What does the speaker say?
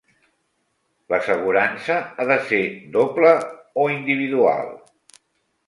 L'assegurança ha de ser doble o individual?